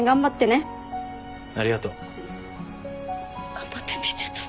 頑張ってって言っちゃった。